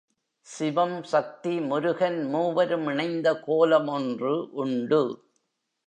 சிவம், சக்தி, முருகன் மூவரும் இணைந்த கோலம் ஒன்று உண்டு.